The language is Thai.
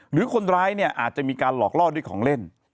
หรือคนร้ายเนี่ยอาจจะมีการหลอกล่อด้วยของเล่น